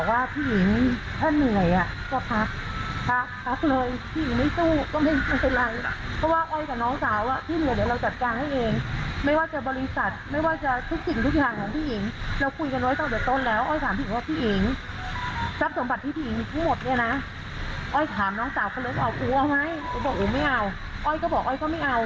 หลังจากที่เทียร์ทุกอย่างเสร็จหมดเราจะบริจักษ์ให้พี่หญิงเป็นคนที่เข้าความบุญ